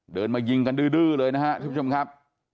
เดินมายิงกันดื้อเลยนะครับทุกผู้ชมครับ